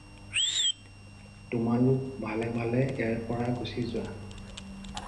তোমালোক ভালে ভালে ইয়াৰ পৰা গুচি যোৱা।